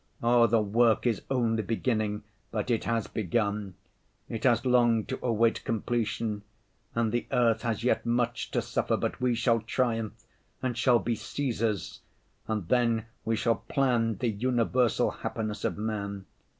Oh, the work is only beginning, but it has begun. It has long to await completion and the earth has yet much to suffer, but we shall triumph and shall be Cæsars, and then we shall plan the universal happiness of man.